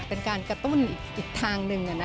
เป็นการกระตุ้นอีกทางหนึ่ง